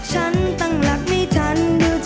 หย่อย